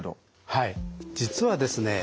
はい実はですね